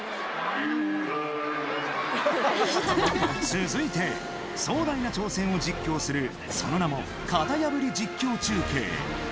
続いて壮大な挑戦を実況するその名も「型破り実況中継」。